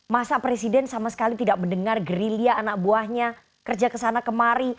masa presiden sama sekali tidak mendengar gerilya anak buahnya kerja kesana kemari